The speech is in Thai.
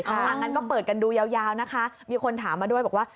อย่างนั้นก็เปิดกันดูยาวนะคะมีคนถามมาด้วยบอกว่า